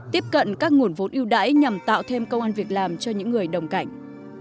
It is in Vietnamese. tiếp cận các nguồn vốn ưu đãi nhằm tạo thêm công an việc làm cho những người đồng cảnh